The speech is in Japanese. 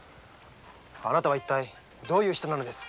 あなたは一体どういう人なのです？